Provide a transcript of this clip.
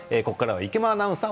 池間アナウンサー